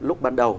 lúc ban đầu